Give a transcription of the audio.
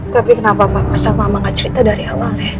tapi kenapa papa sama mama gak cerita dari awalnya